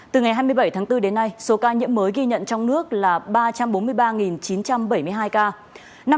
từ ngày hai mươi bảy tháng bốn đến nay số ca nhiễm mới ghi nhận trong nước là ba trăm bốn mươi ba chín trăm bảy mươi hai ca